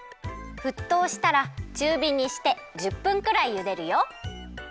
ふっとうしたらちゅうびにして１０分くらいゆでるよ。